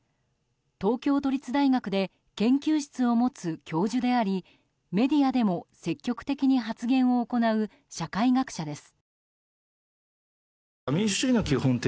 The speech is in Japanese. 東京都立大学で研究室を持つ教授でありメディアでも積極的に発言を行う社会学者です。